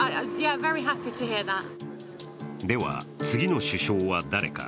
では、次の首相は誰か？